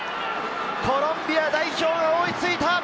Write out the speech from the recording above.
コロンビア代表が追いついた！